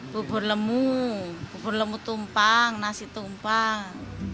bubur lemu bubur lemu tumpang nasi tumpang